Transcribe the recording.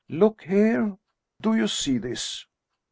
Look here! Do you see this?"